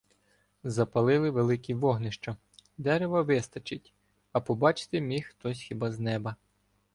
Запалили великі вогнища: дерева вистачить, а побачити міг хтось хіба з неба.